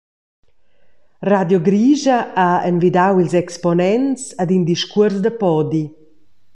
Radio Grischa ha envidau ils exponents ad in discuors da podi.